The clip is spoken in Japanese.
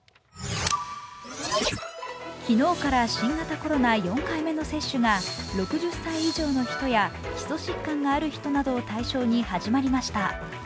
昨日から新型コロナ４回目の接種が６０歳以上の人や基礎疾患がある人などを対象に始まりました。